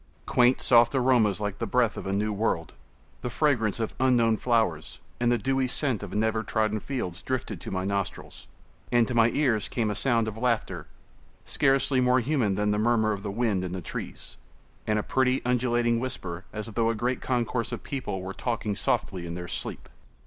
Quaint, soft aromas like the breath of a new world the fragrance of unknown flowers, and the dewy scent of never trodden fields drifted to my nostrils; and to my ears came a sound of laughter scarcely more human than the murmur of the wind in the trees, and a pretty undulating whisper as though a great concourse of people were talking softly in their sleep.